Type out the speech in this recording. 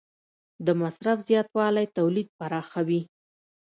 د مصرف زیاتوالی تولید پراخوي.